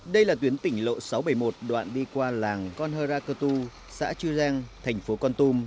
đây là tuyến tỉnh lộ sáu trăm bảy mươi một đoạn đi qua làng con hơra cơ tu xã chư giang thành phố con tum